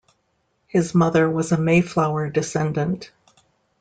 His mother was a "Mayflower" descendant.